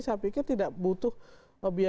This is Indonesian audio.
saya pikir tidak butuh biaya politik yang banyak